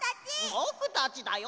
ぼくたちだよ！